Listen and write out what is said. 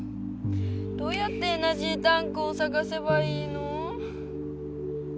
どうやってエナジータンクをさがせばいいの？